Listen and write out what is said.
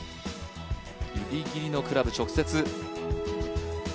ギリギリのクラブ、直接。